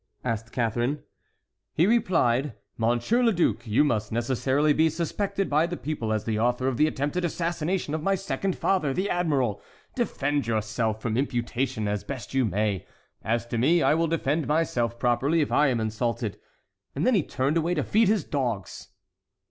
asked Catharine. "He replied, 'Monsieur le Duc, you must necessarily be suspected by the people as the author of the attempted assassination of my second father, the admiral; defend yourself from the imputation as best you may. As to me, I will defend myself properly, if I am insulted;' and then he turned away to feed his dogs."